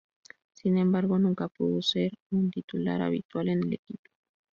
Sin embargo, nunca pudo ser un en titular habitual en el equipo.